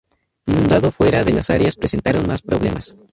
Inundado-fuera de las áreas presentaron más problemas.